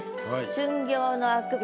「春暁のあくび」